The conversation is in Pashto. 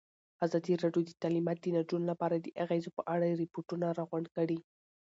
ازادي راډیو د تعلیمات د نجونو لپاره د اغېزو په اړه ریپوټونه راغونډ کړي.